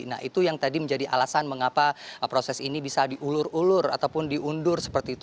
nah itu yang tadi menjadi alasan mengapa proses ini bisa diulur ulur ataupun diundur seperti itu